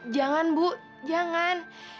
jangan bu jangan